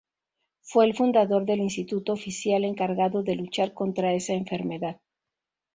Fue el fundador del instituto oficial encargado de luchar contra esa enfermedad.